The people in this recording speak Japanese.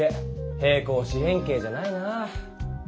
平行四辺形じゃないなぁ。